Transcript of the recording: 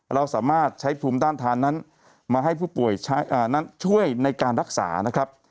เราสามารถใช้ภูมิต้านทานนั้นมาให้ผู้ป่วยนั้นช่วยในการรักษานะครับ